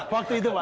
waktu itu pak